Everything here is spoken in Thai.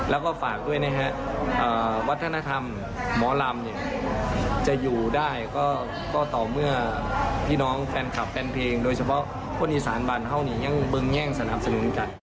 แล้วก็ฝากด้วยนะฮะวัฒนธรรมหมอลำเนี่ยจะอยู่ได้ก็ต่อเมื่อพี่น้องแฟนคลับแฟนเพลงโดยเฉพาะคนอีสานบ้านเขาเนี่ยยังบึงแย่งสนับสนุนกัน